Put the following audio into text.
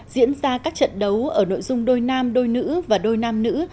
diễn ra các trận đấu ở nội dung đôi nam đôi nữ và đôi nam nữ